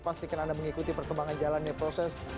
pastikan anda mengikuti perkembangan jalannya proses